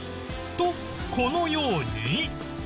とこのように